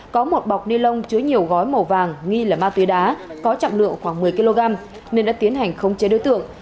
có một bọc ni lông chứa nhiều gói màu vàng nghi là ma túy đá có trọng lượng khoảng một mươi kg nên đã tiến hành khống chế đối tượng